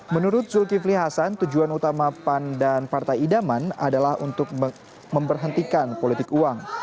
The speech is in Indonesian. menurut zulkifli hasan tujuan utama pan dan partai idaman adalah untuk memberhentikan politik uang